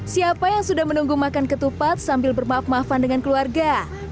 siapa yang sudah menunggu makan ketupat sambil bermaaf maafan dengan keluarga